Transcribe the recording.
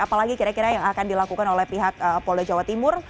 apalagi kira kira yang akan dilakukan oleh pihak polda jawa timur